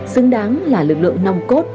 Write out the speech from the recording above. xứng đáng là lực lượng nòng cốt